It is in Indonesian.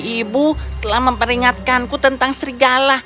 ibu telah memperingatkanku tentang serigala